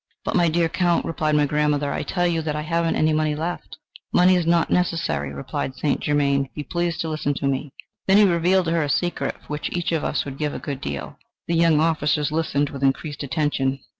"'But, my dear Count,' replied my grandmother, 'I tell you that I haven't any money left.' "'Money is not necessary,' replied St. Germain: 'be pleased to listen to me.' "Then he revealed to her a secret, for which each of us would give a good deal..." The young officers listened with increased attention.